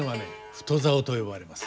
太棹と呼ばれます。